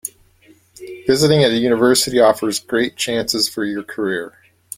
Visiting a university offers great chances for your career.